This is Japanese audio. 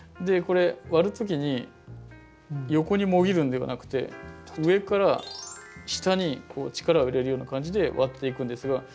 これ割る時に横にもぎるんではなくて上から下にこう力を入れるような感じで割っていくんですが。